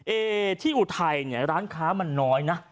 เอที่อุทัยเนี่ยร้านค้ามันน้อยนะ